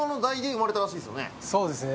そうですね。